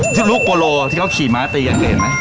ที่ลูกโปโลที่เขาขี่ม้าตีกันเคยเห็นไหม